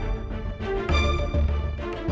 aku akan mencari cherry